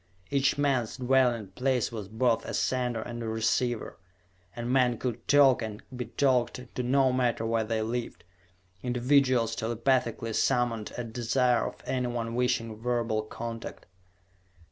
Each man's dwelling place was both a "sender" and a "receiver," and men could talk and be talked to no matter where they lived individuals telepathically summoned at desire of anyone wishing verbal contact.